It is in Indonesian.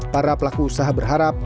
para pelaku usaha berharap